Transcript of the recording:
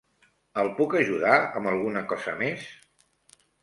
El puc ajudar amb alguna cosa més?